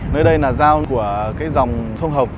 nơi đây là giao của dòng sông hồng